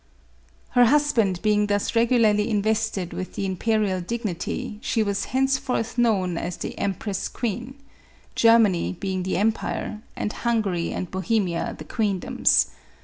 Her husband being thus regularly invested with the imperial dignity, she was henceforth known as the " Empress queen," Germany being the empire, and Hungary and Bohemia the queendoms.